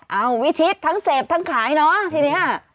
เอาวิชิตทั้งเสพทั้งขายเนอะทีนี้